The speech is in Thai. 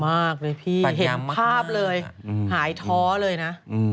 มากเลยพี่เห็นภาพเลยหายท้อเลยนะ